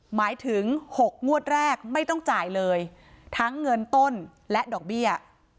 หมายถึง๖งวดแรกไม่ต้องจ่ายเลยทั้งเงินต้นและดอกเบี้ย